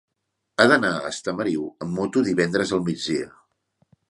He d'anar a Estamariu amb moto divendres al migdia.